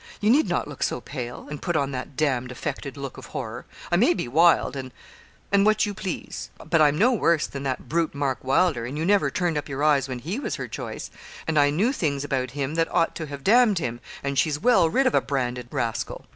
You need not look so pale; and put on that damned affected look of horror. I may be wild, and and what you please, but I'm no worse than that brute, Mark Wylder, and you never turned up your eyes when he was her choice; and I knew things about him that ought to have damned him, and she's well rid of a branded rascal.